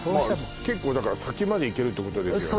結構だから先まで行けるってことですよね